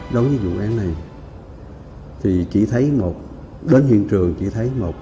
đối với vụ án này thì chỉ thấy một đến hiện trường chỉ thấy một